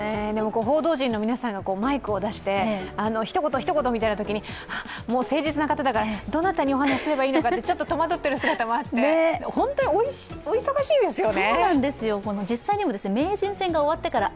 報道陣の皆さんがマイクを出して、一言、一言みたいなときに誠実な方だからどなたにお話しすればいいのかって、ちょっと戸惑っている姿もあってでも、本当にお忙しいですよね。